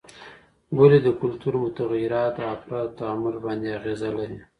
ولي د کلتور متغیرات د افرادو تعامل باندې اغیزه لري؟